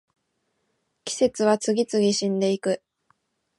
季節は次々死んでいく